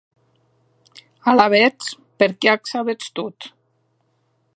Alavetz, per qué ac sabetz tot?